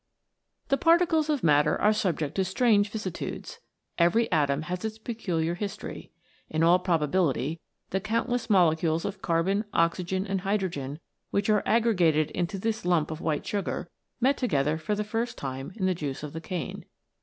THE particles of matter are subject to strange vicissitudes. Every atom has its peculiar history. In all probability the countless molecules of carbon, oxygen, and hydrogen which are aggregated into this lump of white sugar, met together for the first time in the juice of the cane.